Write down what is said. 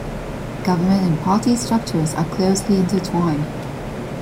Government and party structures are closely intertwined.